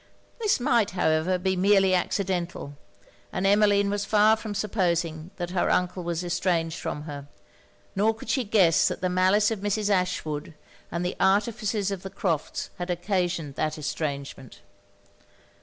This might, however, be merely accidental; and Emmeline was far from supposing that her uncle was estranged from her; nor could she guess that the malice of Mrs. Ashwood, and the artifices of the Crofts', had occasioned that estrangement.